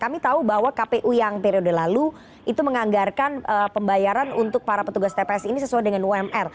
kami tahu bahwa kpu yang periode lalu itu menganggarkan pembayaran untuk para petugas tps ini sesuai dengan umr